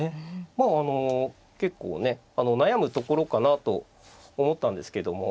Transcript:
まああの結構ね悩むところかなと思ったんですけども。